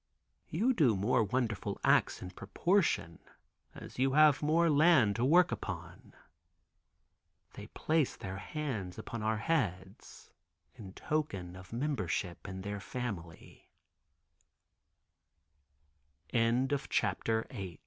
You do more wonderful acts in proportion as you have more land to work upon." They place their hands upon our heads in token of membership in